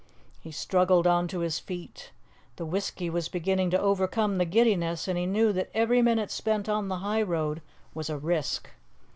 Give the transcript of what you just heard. He struggled on to his feet. The whisky was beginning to overcome the giddiness, and he knew that every minute spent on the highroad was a risk.